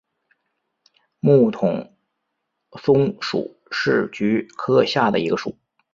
木筒篙属是菊科下的一个属。